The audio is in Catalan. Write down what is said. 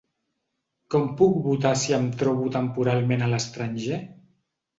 Com puc votar si em trobo temporalment a l’estranger?